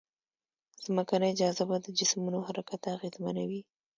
ځمکنۍ جاذبه د جسمونو حرکت اغېزمنوي.